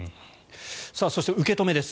そして、受け止めです。